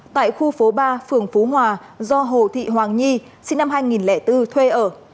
tại khu phố ba phường phú hòa do hồ thị hoàng nhi sinh năm hai nghìn bốn thuê ở